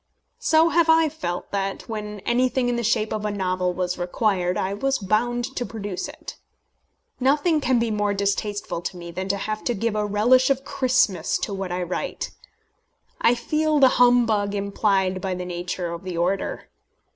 So have I felt that, when anything in the shape of a novel was required, I was bound to produce it. Nothing can be more distasteful to me than to have to give a relish of Christmas to what I write. I feel the humbug implied by the nature of the order.